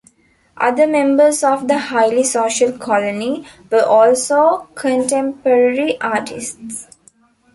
Other members of the highly social colony were also contemporary artists.